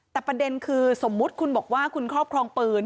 แต่ประเด็นคือสมมุติคุณบอกว่าคุณครอบครองปืน